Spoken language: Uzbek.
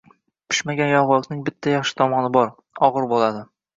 Pishmagan yong‘oqning bitta yaxshi tomoni bor: og‘ir bo‘ladi.